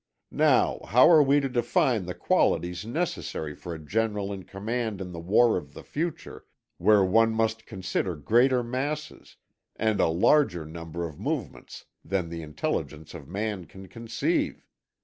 Now how are we to define the qualities necessary for a general in command in the war of the future, where one must consider greater masses and a larger number of movements than the intelligence of man can conceive?